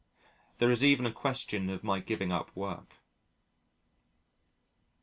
There is even a question of my giving up work.